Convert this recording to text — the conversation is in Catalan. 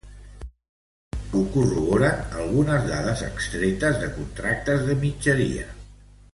Això ho corroboren algunes dades extretes de contractes de mitgeria.